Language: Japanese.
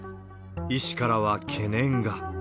医師からは懸念が。